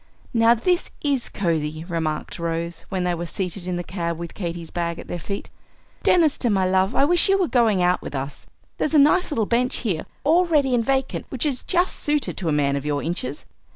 "Now, this is cosey," remarked Rose, when they were seated in the cab with Katy's bag at their feet. "Deniston, my love, I wish you were going out with us. There's a nice little bench here all ready and vacant, which is just suited to a man of your inches.